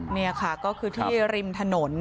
นี่ค่ะก็คือที่ริมถนน